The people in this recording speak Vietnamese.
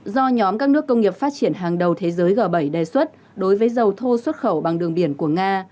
do nhóm các nước công nghiệp phát triển hàng đầu thế giới g bảy đề xuất đối với dầu thô xuất khẩu bằng đường biển của nga